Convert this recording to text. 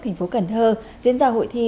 thành phố cần thơ diễn ra hội thi